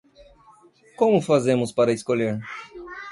Como fazemos para escolher?